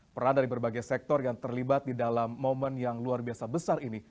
peran dari berbagai sektor yang terlibat di dalam momen yang luar biasa besar ini